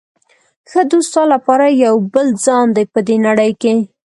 ښه دوست ستا لپاره یو بل ځان دی په دې نړۍ کې.